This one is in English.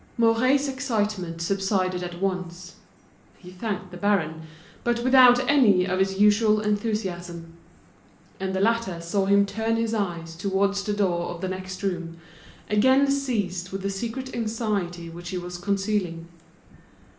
Mouret's excitement subsided at once; he thanked the baron, but without any of his usual enthusiasm; and the latter saw him turn his eyes towards the door of the next room, again seized with the secret anxiety which he was concealing.